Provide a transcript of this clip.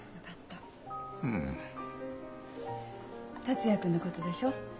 達也君のことでしょ？